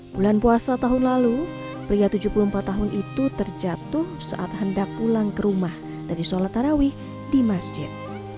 bulan puasa tahun lalu pria tujuh puluh empat tahun itu terjatuh saat hendak pulang ke rumah dari sholat tarawih di masjid